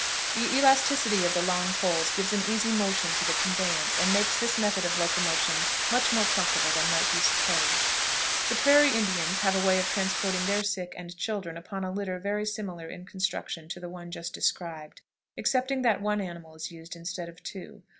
The elasticity of the long poles gives an easy motion to the conveyance, and makes this method of locomotion much more comfortable than might be supposed. The prairie Indians have a way of transporting their sick and children upon a litter very similar in construction to the one just described, excepting that one animal is used instead of two.